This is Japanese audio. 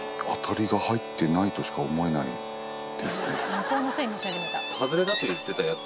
向こうのせいにし始めた。